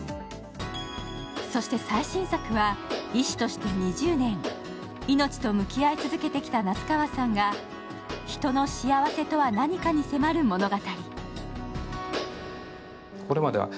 そして最新作は医師として２０年、命と向き合い続けてきた夏川さんが人の幸せとは何かに迫る物語。